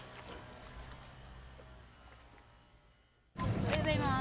おはようございまーす。